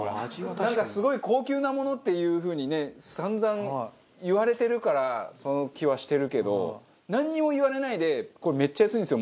なんかすごい高級なものっていう風にね散々言われてるからその気はしてるけどなんにも言われないで「これめっちゃ安いんですよ」